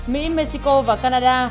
mỹ mexico và canada